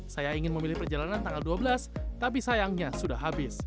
saya ingin memilih perjalanan tanggal dua belas tapi sayangnya sudah habis